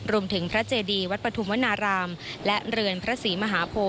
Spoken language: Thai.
พระเจดีวัดปฐุมวนารามและเรือนพระศรีมหาโพ